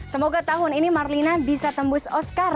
semoga tahun ini marlina bisa tembus oscar